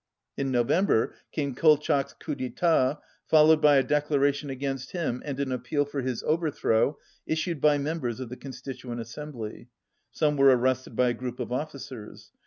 In November came Kolchak's coup d'etat^ followed by a declaration against him and an appeal for his overthrow issued by members of the Con stituent Assembly. Some were arrested by a group of officers.